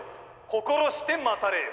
心して待たれよ」。